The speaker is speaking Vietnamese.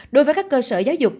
đối với các cơ sở giáo dục